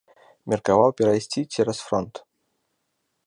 Меркаваў перайсці цераз фронт.